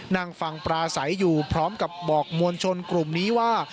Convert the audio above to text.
นั่งฟังปราศัยอยู่พร้อมกับบอกมวลชนกลุ่มนี้ว่า